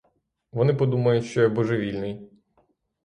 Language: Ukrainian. Вони подумають, що я божевільний.